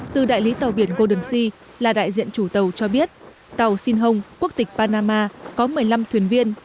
từ đại lý tàu biển golden sea là đại diện chủ tàu cho biết tàu sinh hong quốc tịch panama có một mươi năm thuyền viên